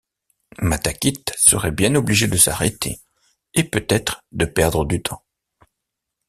Matakit serait bien obligé de s’arrêter, et peut-être de perdre du temps.